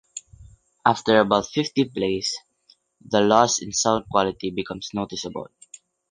After about fifty plays the loss in sound quality becomes noticeable.